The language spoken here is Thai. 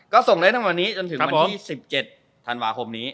ก็ส่งได้ทั้งวันนี้จนถึงวันที่๑๗ธันวาคมนี้